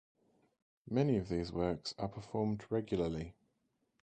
Many of these works are performed regularly.